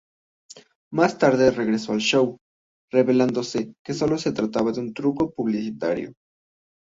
Más tarde regresó al show, revelándose que solo se trataba de un truco publicitario.